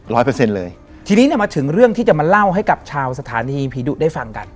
เปอร์เซ็นต์เลยทีนี้เนี่ยมาถึงเรื่องที่จะมาเล่าให้กับชาวสถานีผีดุได้ฟังกัน